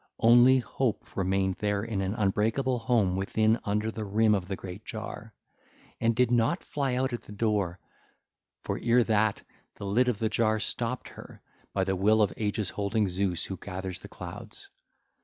Only Hope remained there in an unbreakable home within under the rim of the great jar, and did not fly out at the door; for ere that, the lid of the jar stopped her, by the will of Aegis holding Zeus who gathers the clouds.